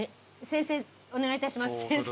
先生お願いいたします。